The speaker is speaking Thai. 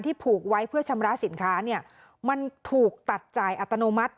ผูกไว้เพื่อชำระสินค้าเนี่ยมันถูกตัดจ่ายอัตโนมัติ